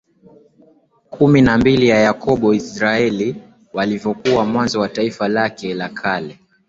kumi na mbili wa Yakobo Israeli walivyokuwa mwanzo wa taifa lake la kale